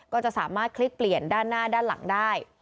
ก็จะสามารถคลิกเปลี่ยนด้านหน้าด้านหลังได้